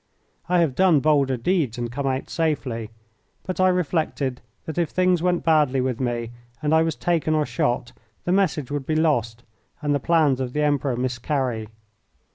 I have done bolder deeds and come out safely, but I reflected that if things went badly with me and I was taken or shot the message would be lost and the plans of the Emperor miscarry.